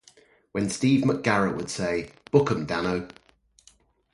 When Steve McGarrett would say, Book 'em Dano!